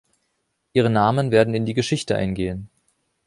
Ihre Namen werden in die Geschichte eingehen.